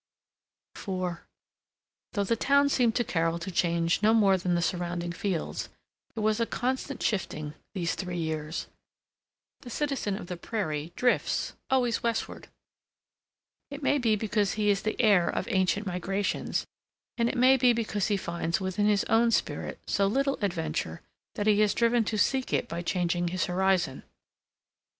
IV Though the town seemed to Carol to change no more than the surrounding fields, there was a constant shifting, these three years. The citizen of the prairie drifts always westward. It may be because he is the heir of ancient migrations and it may be because he finds within his own spirit so little adventure that he is driven to seek it by changing his horizon.